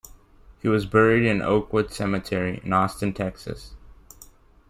He was buried in Oakwood Cemetery in Austin, Texas.